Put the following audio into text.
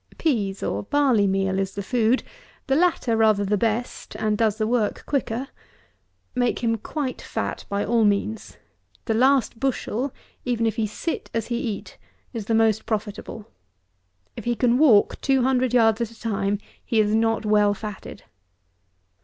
Peas, or barley meal is the food; the latter rather the best, and does the work quicker. Make him quite fat by all means. The last bushel, even if he sit as he eat, is the most profitable. If he can walk two hundred yards at a time, he is not well fatted.